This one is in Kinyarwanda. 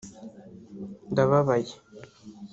Ndababaye